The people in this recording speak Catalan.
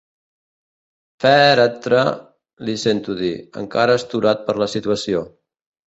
Fèretre, li sento dir, encara astorat per la situació.